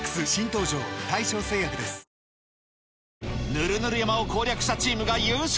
ヌルヌル山を攻略したチームが優勝！